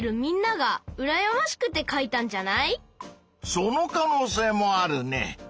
その可能性もあるね！